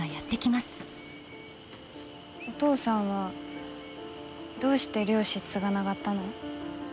お父さんはどうして漁師継がながったの？